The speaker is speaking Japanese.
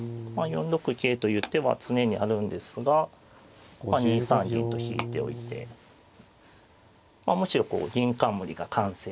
４六桂という手は常にあるんですが２三銀と引いておいてむしろこう銀冠が完成。